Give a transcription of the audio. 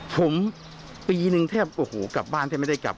ผมปีนึงแทบโอ้โหกลับบ้านแทบไม่ได้กลับ